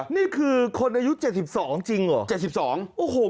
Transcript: นี่คือคนอายุ๗๒จริงเหรอ๗๒